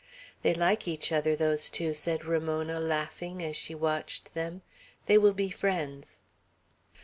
"They like each other, those two," said Ramona, laughing, as she watched them. "They will be friends."